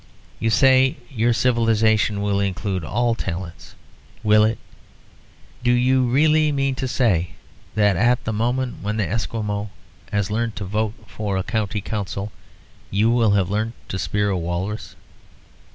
You say your civilisation will include all talents. Will it? Do you really mean to say that at the moment when the Esquimaux has learnt to vote for a County Council, you will have learnt to spear a walrus?